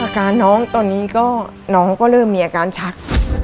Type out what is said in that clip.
อาการน้องตอนนี้ก็น้องก็เริ่มมีอาการชัก